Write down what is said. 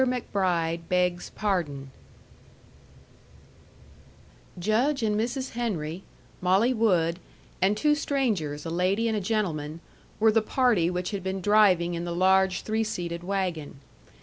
MACBRIDE BEGS PARDON Judge and Mrs. Henry, Molly Wood, and two strangers, a lady and a gentleman, were the party which had been driving in the large three seated wagon.